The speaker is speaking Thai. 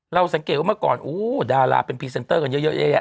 เราสังเกตว่าเมื่อก่อนอู้วดาราเป็นพรีเซนเตอร์กันเยอะเยอะเยอะเยอะ